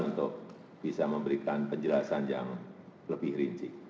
untuk bisa memberikan penjelasan yang lebih rinci